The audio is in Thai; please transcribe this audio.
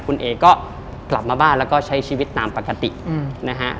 คุณเอ๋ก็กลับมาบ้านแล้วก็ใช้ชีวิตตามปกตินะฮะ